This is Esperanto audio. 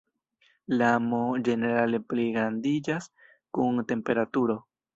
La "m" ĝenerale pligrandiĝas kun temperaturo.